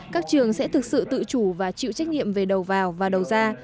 các trường sẽ thực sự tự chủ và chịu trách nhiệm về đầu vào và đầu ra